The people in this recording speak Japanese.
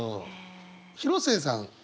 広末さん